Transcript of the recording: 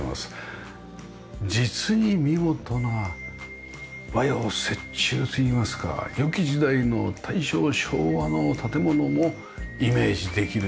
実に見事な和洋折衷といいますか良き時代の大正昭和の建物もイメージできるような。